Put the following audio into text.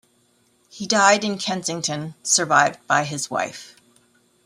He died in Kensington, survived by his wife.